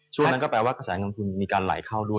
ช่วงนั้นก็แปลว่ากระแสเงินทุนมีการไหลเข้าด้วย